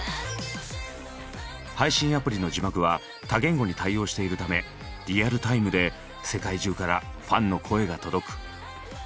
配信アプリの字幕は多言語に対応しているためリアルタイムで世界中からファンの声が届く。